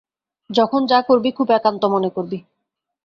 যখন যা করবি, খুব একান্তমনে করবি।